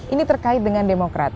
ini terkait dengan demokrat